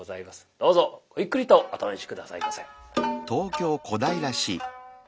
どうぞごゆっくりとお楽しみ下さいませ。